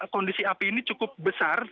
kondisi api ini cukup besar